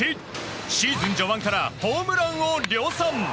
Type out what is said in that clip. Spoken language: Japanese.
シーズン序盤からホームランを量産。